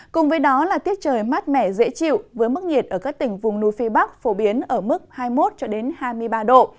cùng với đó là tiết trời mát mẻ dễ chịu với mức nhiệt ở các tỉnh vùng núi phía bắc phổ biến ở mức hai mươi một hai mươi ba độ